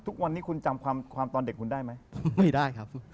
ทุกวันนี้คุณจำความตอนเด็กคุณได้ไหม